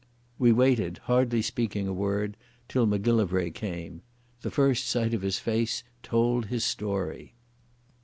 We waited, hardly speaking a word, till Macgillivray came. The first sight of his face told his story.